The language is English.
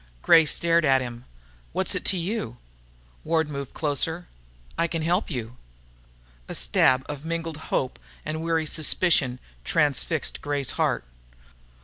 Gray stared at him. "What's it to you?" Ward moved closer. "I can help you?" A stab of mingled hope and wary suspicion transfixed Gray's heart.